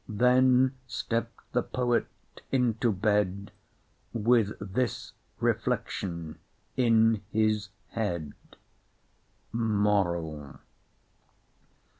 Then stepp'd the poet into bed With this reflection in his head: MORAL.